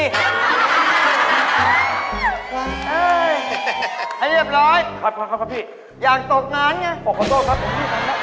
หายไปแล้วเฮ่ยให้เรียบร้อยอยากตกงานล่ะเดี๋ยวครับพี่